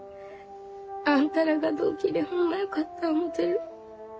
あんたらが同期でホンマよかった思うてる。